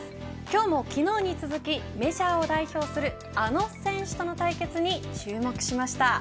今日も昨日に続きメジャーを代表するあの選手との対決に注目しました。